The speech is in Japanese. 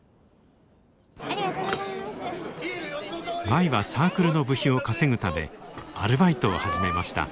舞はサークルの部費を稼ぐためアルバイトを始めました。